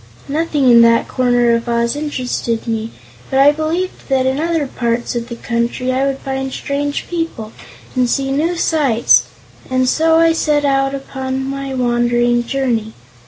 Nothing in that corner of Oz interested me, but I believed that in other parts of the country I would find strange people and see new sights, and so I set out upon my wandering journey.